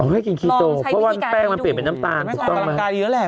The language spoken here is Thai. อ๋อให้กินคีโตเพราะว่าแป้งมันเปลี่ยนเป็นน้ำตาลถูกต้องไหมลองใช้วิธีการให้ดู